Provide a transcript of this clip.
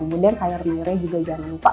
kemudian sayur mayurnya juga jangan lupa